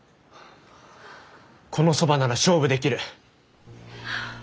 このそばなら勝負できる。